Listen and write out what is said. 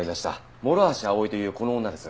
諸橋葵というこの女です。